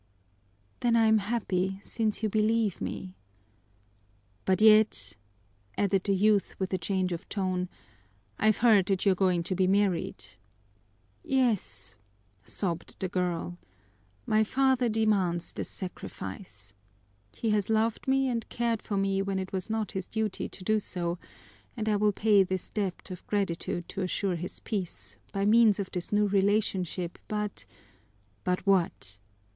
"Then I am happy, since you believe me " "But yet," added the youth with a change of tone, "I've heard that you are going to be married." "Yes," sobbed the girl, "my father demands this sacrifice. He has loved me and cared for me when it was not his duty to do so, and I will pay this debt of gratitude to assure his peace, by means of this new relationship, but " "But what?"